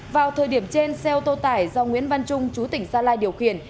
vào thời điểm trên xe ô tô tải do nguyễn văn trung chú tỉnh gia lai điều khiển